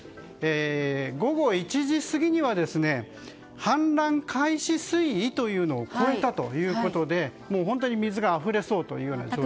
午後１時過ぎには氾濫開始水位というのを超えたということで水があふれそうな状況です。